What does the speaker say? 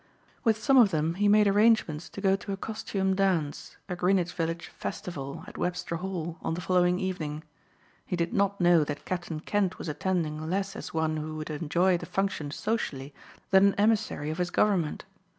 With some of them he made arrangements to go to a costume dance, a Greenwich Village festival, at Webster Hall, on the following evening. He did not know that Captain Kent was attending less as one who would enjoy the function socially than an emissary of his government.